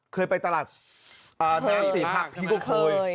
เคยไปตลาดน้ำสี่ภาคพิโกโคย